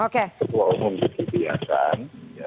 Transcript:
ketua umum di kipiasan